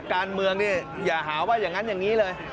การเมืองนี่อย่าหาว่าอย่างนั้นอย่างนี้เลย